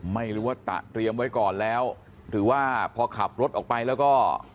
ไม่รู้ว่าตะเตรียมไว้ก่อนแล้วหรือว่าพอขับรถออกไปแล้วก็